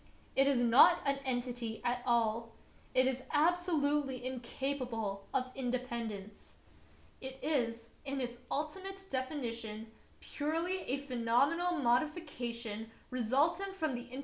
It is not an entity at all. It is absolutely incapable of independ ence. It is, in its ultimate definition, purely a phenomefial modi of Peter Schlemihl, 67 ward to seize it.